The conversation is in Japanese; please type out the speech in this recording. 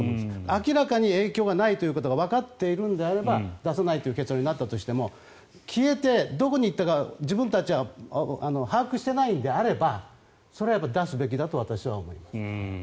明らかに影響がないとわかっているのであれば出さないという結論になったとしても消えてどこに行ったか自分たちは把握していないのであればそれは出すべきだと私は思います。